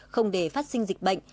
không để phát sinh dịch bệnh